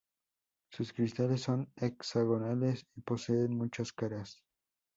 Sus cristales son hexagonales y poseen muchas caras.